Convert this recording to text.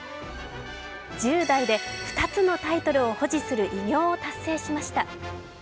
１０代で２０のタイトルを保持する偉業を達成しました。